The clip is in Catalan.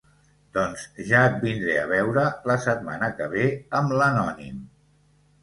Doncs ja et vindré a veure la setmana que ve amb l'anònim.